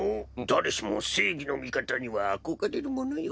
誰しも正義の味方には憧れるものよ。